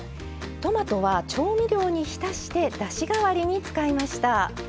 トマトは調味料に浸してだしがわりに使いました。